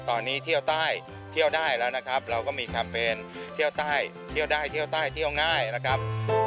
ตอนนี้เที่ยวใต้เที่ยวได้แล้วนะครับเราก็มีแคมเปญเที่ยวใต้เที่ยวได้เที่ยวใต้เที่ยวง่ายนะครับ